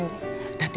だって